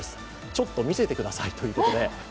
ちょっと見せてくださいということで。